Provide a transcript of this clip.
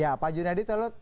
ya pak junedi